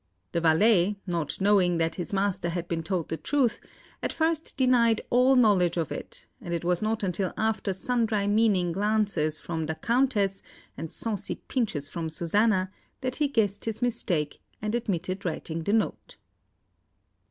The valet, not knowing that his master had been told the truth, at first denied all knowledge of it, and it was not until after sundry meaning glances from the Countess, and saucy pinches from Susanna, that he guessed his mistake, and admitted writing the note.